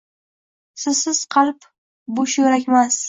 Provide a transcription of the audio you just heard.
Sizsiz qalb bushyurakmas